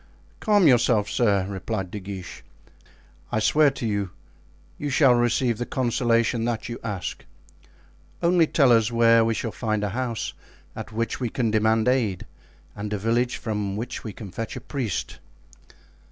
"Calm yourself, sir," replied De Guiche. "I swear to you, you shall receive the consolation that you ask. Only tell us where we shall find a house at which we can demand aid and a village from which we can fetch a priest."